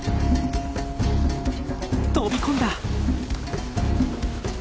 飛び込んだ！